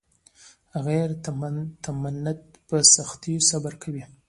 غیرتمند په سختیو صبر کوي